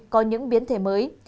có những biến thể mới